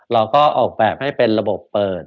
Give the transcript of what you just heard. เราก็ออกแบบให้เป็นระบบเปิด